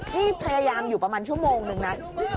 นี่พยายามอยู่ประมาณชั่วโมงนึงนะ